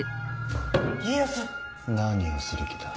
何をする気だ。